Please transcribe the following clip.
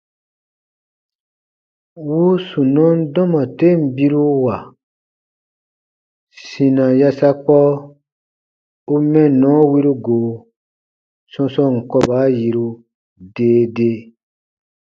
Wuu sunɔn dɔma ten biruwa sina yasakpɔ u mɛnnɔ wiru go sɔ̃sɔɔn kɔba yiru dee dee.